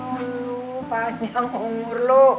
lo panjang umur lo